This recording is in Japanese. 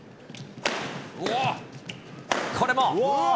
これも。